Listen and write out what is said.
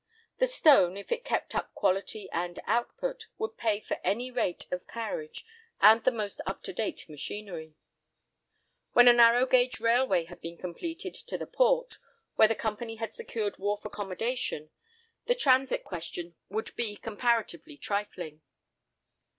The stone, if it kept up quality and output, would pay for any rate of carriage and the most up to date machinery. When a narrow gauge railway had been completed to the Port, where the Company had secured wharf accommodation, the transit question would be comparatively trifling.